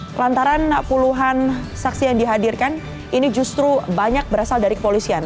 pelantaran puluhan saksi yang dihadirkan ini justru banyak berasal dari kepolisian